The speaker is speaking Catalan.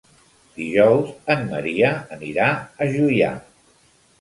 Dijous en Maria anirà a Juià.